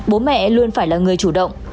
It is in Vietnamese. bố mẹ luôn phải là người chủ động